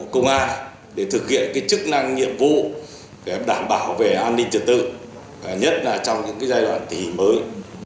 công an để thực hiện cái chức năng nhiệm vụ để đảm bảo về an ninh trật tự nhất là trong những cái giai đoạn tình mới